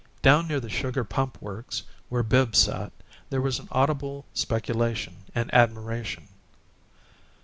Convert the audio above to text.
Down near the sugar Pump Works, where Bibbs sat, there was audible speculation and admiration.